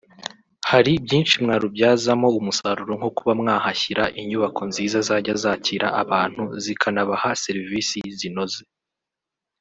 Hari byinshi mwarubyazamo umusaruro nko kuba mwahashyira inyubako nziza zajya zakira abantu zikanabaha servisi zinoze